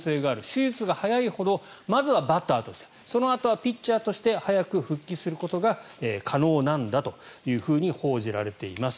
手術が早いほどまずはバッターとしてそのあとはピッチャーとして早く復帰することが可能なんだというふうに報じられています。